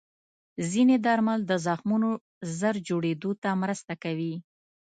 ځینې درمل د زخمونو ژر جوړېدو ته مرسته کوي.